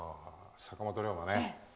坂本龍馬ね。